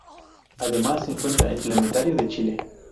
Además se encuentra el Planetario Chile.